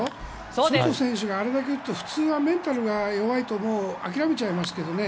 ソト選手があれだけ打つと普通、メンタルが弱いと諦めちゃいますけどね。